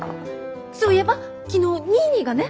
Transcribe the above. そういえば昨日ニーニーがね。